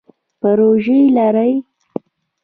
پروژی لرئ؟